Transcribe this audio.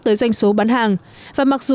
tới doanh số bán hàng